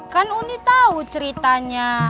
kan uni tahu ceritanya